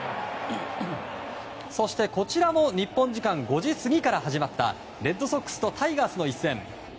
そしてこちらも日本時間５時過ぎから始まったレッドソックスとタイガースの一戦。